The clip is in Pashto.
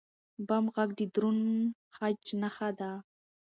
بم غږ د دروند خج نښه ده.